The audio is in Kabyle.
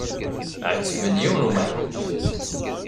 Ɛettben yiwen umeḥbus.